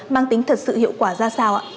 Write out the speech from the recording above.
mang tính thật sự hiệu quả ra sao ạ